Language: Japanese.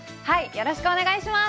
よろしくお願いします。